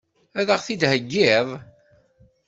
Ad ɣ-t-id-theggiḍ?